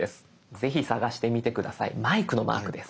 ぜひ探してみて下さいマイクのマークです。